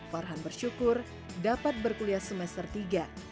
farhan bersyukur dapat berkuliah semester tiga di institut teknologi sains indonesia